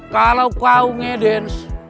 kalau kau ngedance